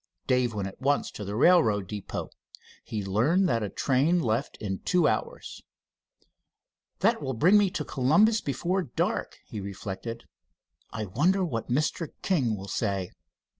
Dave went at once to the railroad depot. He learned that a train left in two hours. "That will bring me to Columbus before dark," he reflected. "I wonder what Mr. King will say?"